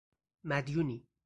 مدیونی